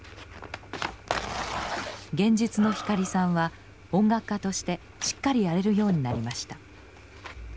現実の光さんは音楽家としてしっかりやれるようになりました。